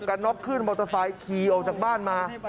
กัน้อมขึ้นบอร์ทย์ทะซายคีย์ออกจากบ้านมา